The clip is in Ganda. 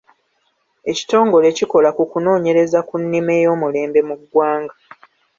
Ekitongole ekikola ku kunoonyereza ku nnima oy’omulembe mu ggwanga.